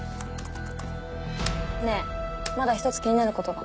ねえまだ一つ気になる事が。